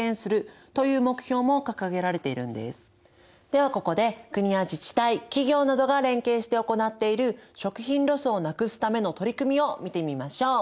ではここで国や自治体企業などが連携して行っている食品ロスをなくすための取り組みを見てみましょう。